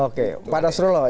oke pada seru loh